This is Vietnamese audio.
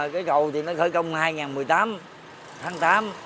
cây cầu thì nó khởi công năm hai nghìn một mươi tám tháng tám